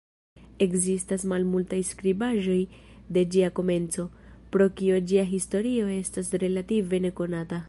Ekzistas malmultaj skribaĵoj de ĝia komenco, pro kio ĝia historio estas relative nekonata.